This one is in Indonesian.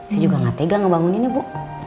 saya juga nggak tega ngebanguninnya bu